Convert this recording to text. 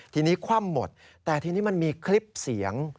ทีนี้คว่ำหมดแต่ทีนี้มันมีคลิปเสียง